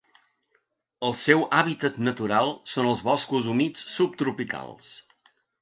El seu hàbitat natural són els boscos humits subtropicals.